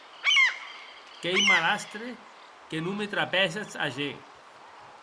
Qu’ei malastre que no me trapèssetz ager.